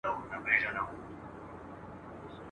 سبا اختر دی موري زه نوې بګړۍ نه لرم ..